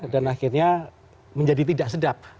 dan akhirnya menjadi tidak sedap